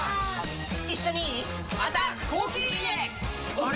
あれ？